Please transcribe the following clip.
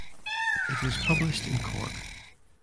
It was published in Cork.